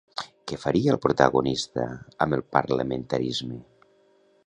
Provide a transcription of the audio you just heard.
Què faria el protagonista amb el parlamentarisme?